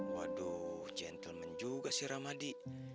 waduh gentleman juga sih ramadi